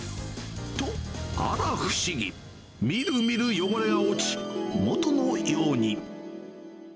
と、あら不思議、みるみる汚れは落ち、元の色に。